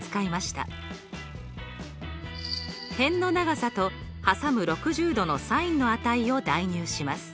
辺の長さと挟む６０°のｓｉｎの値を代入します。